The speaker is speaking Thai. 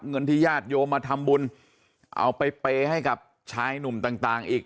เงินที่ญาติโยมมาทำบุญเอาไปเปย์ให้กับชายหนุ่มต่างอีก